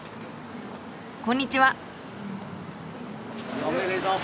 こんにちは。